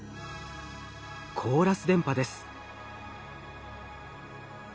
コーラス電波です。